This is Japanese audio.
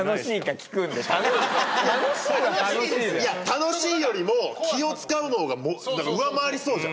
楽しいよりも気を使うの方が上回りそうじゃん。